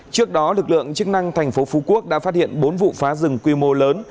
trước đó lực lượng chức năng thành phố phú quốc đã phát hiện bốn vụ phá rừng quy mô lớn